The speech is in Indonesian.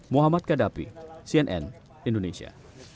muhammad kadapi cnn indonesia